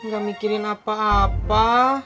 gak mikirin apa apa